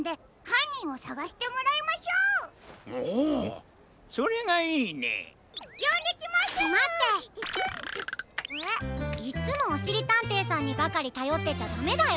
いっつもおしりたんていさんにばかりたよってちゃダメだよ。